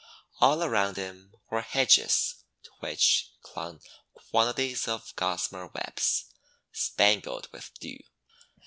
All around him were hedges to which clung quantities of gossamer webs, spangled with dew.